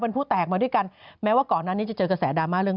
เอามาค่ะเจนนี่ได้หมดเท่าสดชื่น